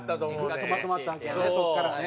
グッとまとまったわけやねそこからね。